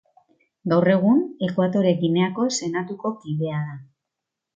Gaur egun, Ekuatore Gineako Senatuko kidea da.